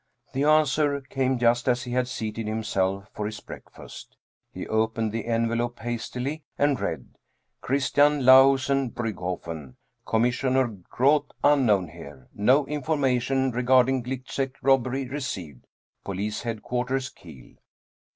The answer came just as he had seated himself for his breakfast. He opened the envelope hastily and read: " Christian Lahusen, Briigghofen. Commissioner Groth unknown here. No information regarding Gliczek robbery received. Police Headquarters, Kiel."